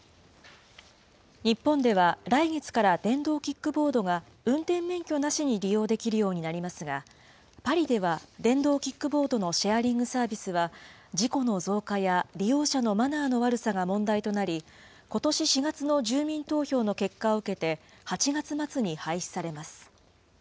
日本では来月から電動キックボードが運転免許なしに利用できるようになりますが、パリでは電動キックボードのシェアリングサービスは、事故の増加や利用者のマナーの悪さが問題になり、ことし４月の住民投票の結果を受けて、８月末に廃止されます。